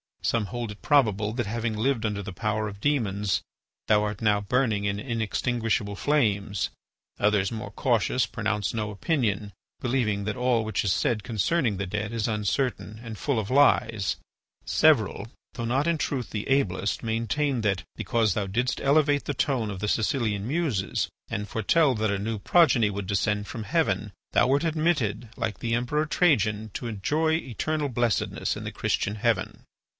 Some hold it probable that, having lived under the power of demons, thou art now burning in inextinguishable flames; others, more cautious, pronounce no opinion, believing that all which is said concerning the dead is uncertain and full of lies; several, though not in truth the ablest, maintain that, because thou didst elevate the tone of the Sicilian Muses and foretell that a new progeny would descend from heaven, thou wert admitted, like the Emperor Trajan, to enjoy eternal blessedness in the Christian heaven."